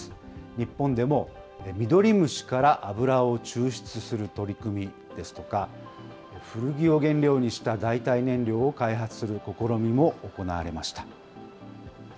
日本でもミドリムシから油を抽出する取り組みですとか、古着を原料にした代替燃料を開発する試みも行われました。